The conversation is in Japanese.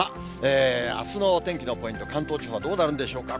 あすのお天気のポイント、関東地方はどうなるんでしょうか。